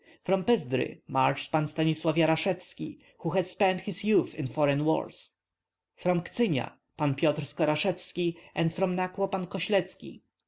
From Pyzdri marched Pan Stanislav Yarachevski, who had spent his youth in foreign wars; from Ktsyna, Pan Pyotr Skorashevski, and from Naklo, Pan Kosletski.